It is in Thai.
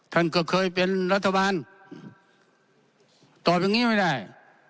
ท่านก็เคยเป็นรัฐบาลตอบอย่างนี้ไม่ได้